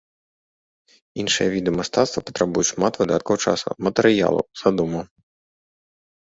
Іншыя віды мастацтва патрабуюць шмат выдаткаў часу, матэрыялу, задумаў.